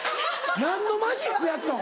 何のマジックやったん？